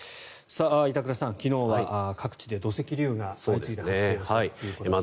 板倉さん、昨日は各地で土石流が相次いだということですね。